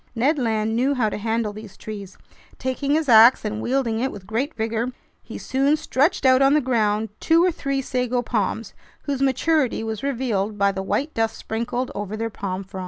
Ned Land knew how to handle these trees. Taking his ax and wielding it with great vigor, he soon stretched out on the ground two or three sago palms, whose maturity was revealed by the white dust sprinkled over their palm fronds.